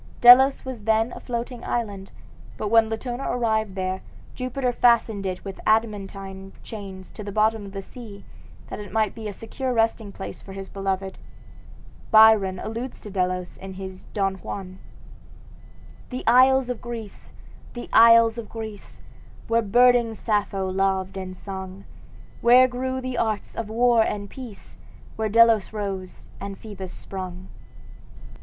Delos was then a floating island; but when Latona arrived there, Jupiter fastened it with adamantine chains to the bottom of the sea, that it might be a secure resting place for his beloved. Byron alludes to Delos in his "Don Juan": "The isles of Greece! the isles of Greece! Where burning Sappho loved and sung, Where grew the arts of war and peace, Where Delos rose and Phoebus sprung!"